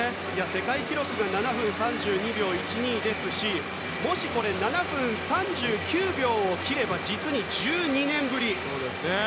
世界記録が７分３２秒１２ですしもし、７分３９秒を切れば実に１２年ぶりです。